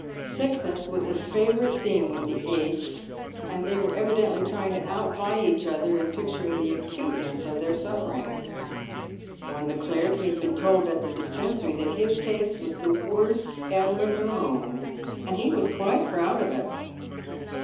Sickness was a favourite theme with the aged, and they were evidently trying to outvie each other in picturing the acuteness of their sufferings. One declared he had been told at the dispensary that his case was the worst ever known, and he was quite proud of it.